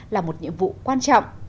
là một nhiệm vụ quan trọng